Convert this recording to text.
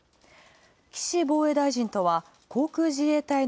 岸防衛大臣とは航空自衛隊の